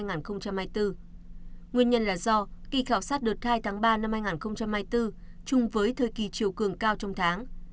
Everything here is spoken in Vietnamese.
nguyên nhân là do kỳ khảo sát đợt hai tháng ba năm hai nghìn hai mươi bốn chung với thời kỳ chiều cường cao trong tháng